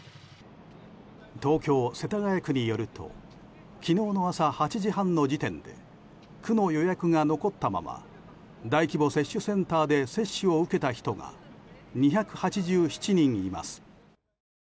東京・世田谷区によると昨日の朝８時半の時点で区の予約が残ったまま大規模接種センターで接種を受けた人が２８７人います。